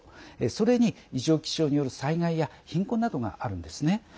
それに、異常気象による災害や貧困などがあるんですね。